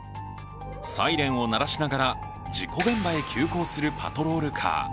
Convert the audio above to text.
サイレンを鳴らしながら事故現場へ急行するパトロールカー。